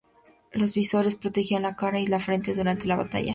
Los visores protegían la cara y la frente durante la batalla.